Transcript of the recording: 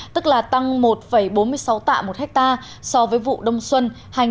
tức là tăng một bốn mươi sáu tạ một hectare so với vụ đông xuân hai nghìn một mươi một hai nghìn một mươi tám